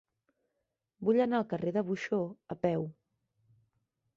Vull anar al carrer de Buxó a peu.